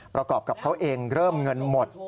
ประกอบกับเขาเองเริ่มเงินหมด